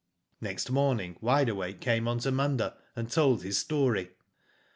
Next morning Wide Awake came on to Munda, and told his story.